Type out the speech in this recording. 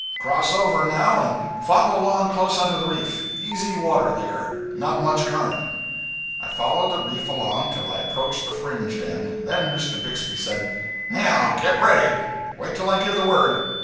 Cross over, now, and follow along close under the reef easy water there not much current.' I followed the reef along till I approached the fringed end. Then Mr. Bixby said 'Now get ready. Wait till I give the word.